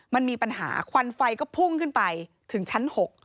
มันมีปัญหาควันไฟก็พุ่งขึ้นไปถึงชั้น๖